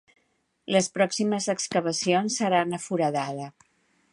Les pròximes excavacions seran a Foradada.